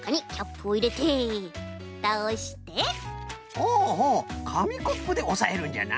ほうほうかみコップでおさえるんじゃな。